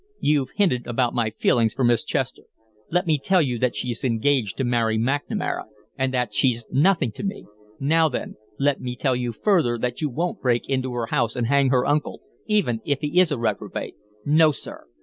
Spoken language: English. You've hinted about my feelings for Miss Chester. Let me tell you that she is engaged to marry McNamara, and that she's nothing to me. Now, then, let me tell you, further, that you won't break into her house and hang her uncle, even if he is a reprobate. No, sir!